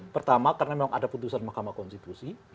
pertama karena memang ada putusan mahkamah konstitusi